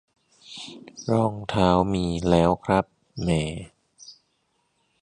รองเท้ามีแล้วครับ แหม่